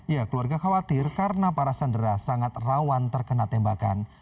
ya keluarga khawatir karena para sandera sangat rawan terkena tembakan